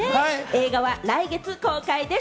映画は来月公開です。